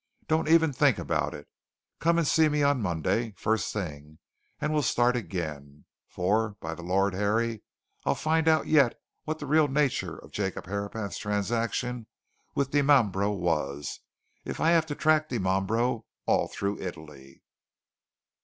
Don't even think about it. Come and see me on Monday, first thing, and we'll start again. For by the Lord Harry! I'll find out yet what the real nature of Jacob Herapath's transaction with Dimambro was, if I have to track Dimambro all through Italy!"